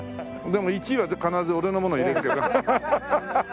でも１位は必ず俺のもの入れるけど。